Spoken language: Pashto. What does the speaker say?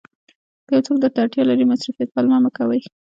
که یو څوک درته اړتیا لري مصروفیت پلمه مه کوئ.